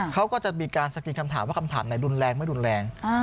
เขาก็จะมีการสกรีนคำถามว่าคำถามไหนรุนแรงไม่รุนแรง